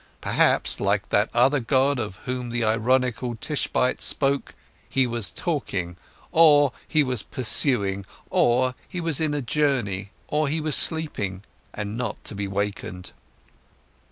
Perhaps, like that other god of whom the ironical Tishbite spoke, he was talking, or he was pursuing, or he was in a journey, or he was sleeping and not to be awaked.